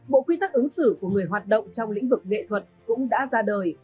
bộ quy tắc ứng xử của người hoạt động trong lĩnh vực nghệ thuật cũng đã ra đời